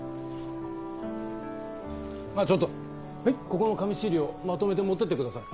ここの紙資料まとめて持ってってください。